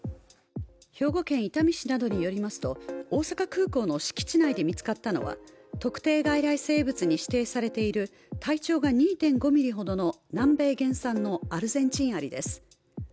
兵庫県伊丹市などによりますと、大阪空港の敷地内で見つかったのは特定外来生物に指定されている体長が２．５ｍｍほどの南米原産のアルゼンチンアリです。